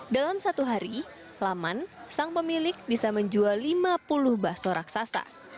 dalam satu hari laman sang pemilik bisa menjual lima puluh bakso raksasa